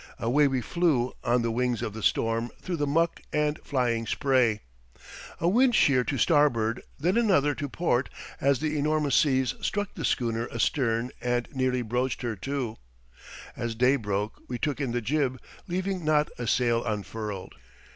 Away we flew on the wings of the storm through the muck and flying spray. A wind sheer to starboard, then another to port as the enormous seas struck the schooner astern and nearly broached her to. As day broke we took in the jib, leaving not a sail unfurled.